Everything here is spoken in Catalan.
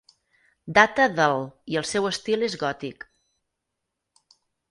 Data del i el seu estil és gòtic.